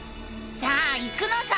さあ行くのさ！